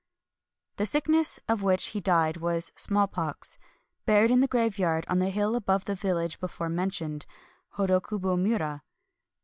The sickness of which he died was smallpox. Bur ied in the graveyard on the hill above the village before mentioned, — Hodokubo mura.